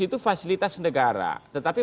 itu fasilitas negara tetapi